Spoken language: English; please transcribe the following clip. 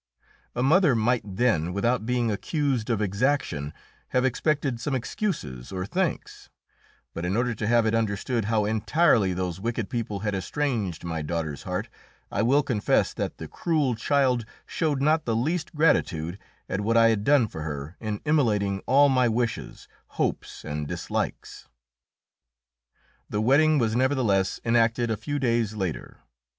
A mother might then, without being accused of exaction, have expected some excuses or thanks; but in order to have it understood how entirely those wicked people had estranged my daughter's heart, I will confess that the cruel child showed not the least gratitude at what I had done for her in immolating all my wishes, hopes and dislikes. The wedding was nevertheless enacted a few days later.